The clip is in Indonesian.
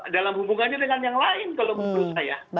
dalam hubungannya dengan yang lain kalau menurut saya